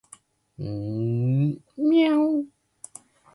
猫